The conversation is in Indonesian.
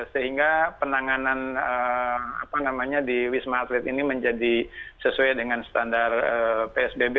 sehingga penanganan di wisma atlet ini menjadi sesuai dengan standar psbb